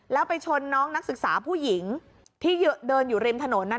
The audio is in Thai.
แล้วไปชนน้องนักศึกษาผู้หญิงที่เดินอยู่ริมถนนนั้น